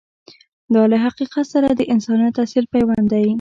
دا له حقیقت سره د انسانیت اصیل پیوند دی.